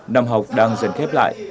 năm học đang dần khép lại